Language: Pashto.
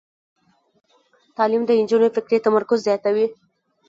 تعلیم د نجونو فکري تمرکز زیاتوي.